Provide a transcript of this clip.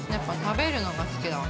やっぱり食べるのが好きだわ。